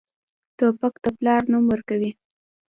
توپک د پلار نوم ورکوي.